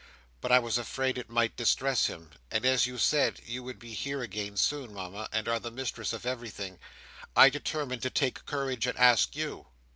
"but I was afraid it might distress him; and as you said you would be here again soon, Mama, and are the mistress of everything, I determined to take courage and ask you."